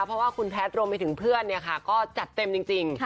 เพราะว่าคุณแพทย์รวมไปถึงเพื่อนก็จัดเต็มจริง